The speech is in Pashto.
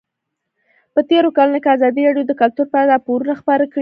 په تېرو کلونو کې ازادي راډیو د کلتور په اړه راپورونه خپاره کړي دي.